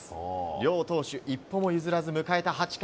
両投手一歩も譲らず迎えた８回。